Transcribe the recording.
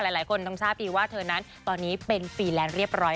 หลายคนที่รู้ตอนที่เป็นฟีแลนด์เรียบร้อย